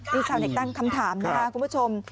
นี่ชาวเน็ตตั้งคำถามนะคะคุณผู้ชม